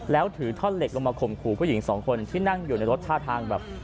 แล้วถือท่อนเหล็กลงมาข่มขู่ผู้หญิงสองคนที่นั่งอยู่ในรถท่าทางแบบ